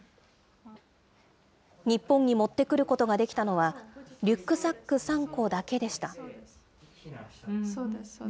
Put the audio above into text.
日本に持ってくることができたのは、リュックサック３個だけでした。